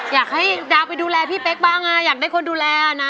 อยากให้ดาวไปดูแลพี่เป๊กบ้างอยากได้คนดูแลนะ